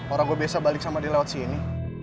orang gue biasa balik sama dia lewat sini